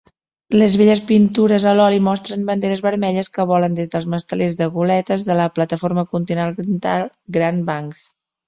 Les velles pintures a l'oli mostren banderes vermelles que volen des dels mastelers de goletes de la plataforma continental Grand Banks.